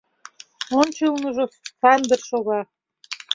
Ончылныжо Сандыр шога.